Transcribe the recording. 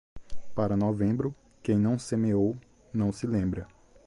Para novembro, quem não semeou, não se lembra.